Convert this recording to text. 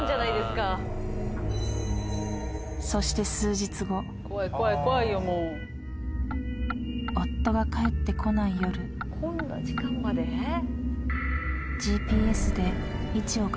そして数日後夫が帰ってこない夜したところえっ